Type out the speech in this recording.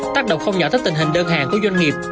tác động không nhỏ tới tình hình đơn hàng của doanh nghiệp